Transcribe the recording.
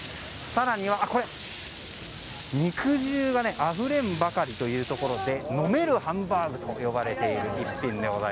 更には、肉汁があふれんばかりというところで飲めるハンバーグと呼ばれている一品です。